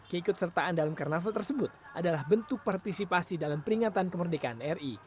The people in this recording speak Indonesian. keikut sertaan dalam karnaval tersebut adalah bentuk partisipasi dalam peringatan kemerdekaan ri